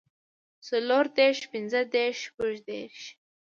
څلور دېرش پنځۀ دېرش شپږ دېرش